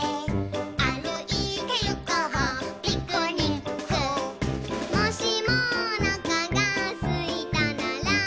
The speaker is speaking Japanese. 「あるいてゆこうピクニック」「もしもおなかがすいたなら」